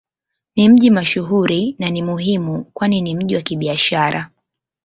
Ni mji mashuhuri na ni muhimu kwani ni mji wa Kibiashara.